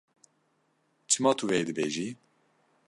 Çima tu vê dibêjî?